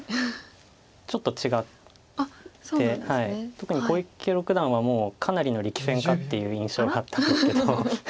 特に小池六段はもうかなりの力戦家っていう印象だったんですけど。